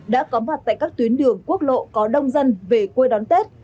đã có mặt tại các tuyến đường quốc lộ có đông dân về quê đón tết